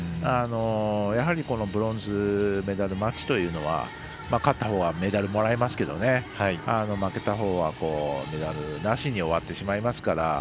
やはり、このブロンズメダルマッチというのは勝ったほうはメダルがもらえますけど負けたほうはメダルなしに終わってしまいますから。